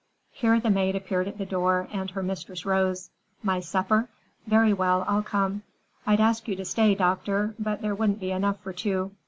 Here the maid appeared at the door and her mistress rose. "My supper? Very well, I'll come. I'd ask you to stay, doctor, but there wouldn't be enough for two.